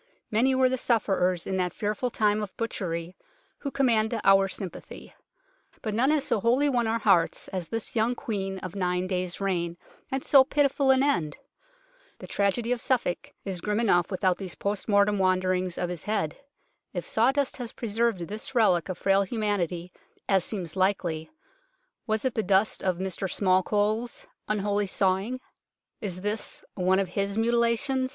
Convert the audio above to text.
Many were the sufferers in that fearful time of butchery who command our sympathy, but none has so wholly won our hearts as this young Queen of a nine days' reign, and so pitiful an end. The tragedy of Suffolk is grim enough without these port mortem wanderings of his head. If sawdust has preserved this relic of frail humanity, as seems likely, was it the dust of "Mr Smallcole's " unholy sawing ? Is this one of his mutilations